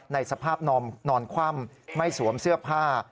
ในสภาพนอนคว่ำไม่สวมเสื้อผ้า